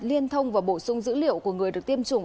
liên thông và bổ sung dữ liệu của người được tiêm chủng